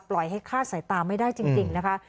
ปล่อยให้คาดสายตาไม่ได้จริงนะคะ